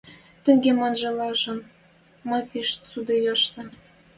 Тӹнге манмыжылан мӓ пиш цӱдейӹшнӓ.